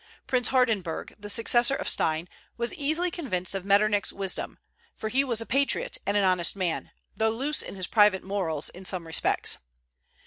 Prince Hardenberg, the successor of Stein, was easily convinced of Metternich's wisdom; for he was a patriot and an honest man, though loose in his private morals in some respects.